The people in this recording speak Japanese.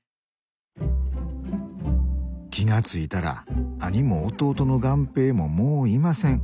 気が付いたら兄も弟の雁平ももういません。